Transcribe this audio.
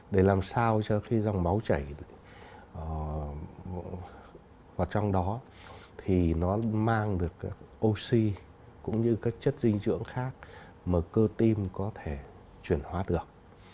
để làm sao cho khi dòng máu chảy và trong đó thì nó mang được oxy cũng như các chất dinh dưỡng khác mà cơ tim có thể chuyển hóa được